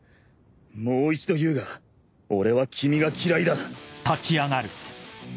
もう一度言うが俺は君が嫌いだ。